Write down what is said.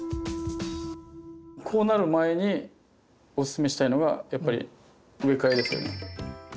こうなる前におすすめしたいのがやっぱり植え替えですよね。